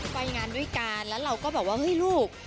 ไปงานด้วยกันแล้วเราก็แบบว่าเฮ้ยลูก